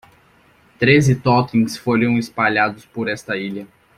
Treze totens foram espalhados por esta ilha.